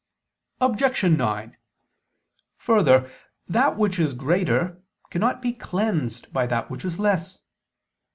Objection 9: Further, that which is greater cannot be cleansed by that which is less.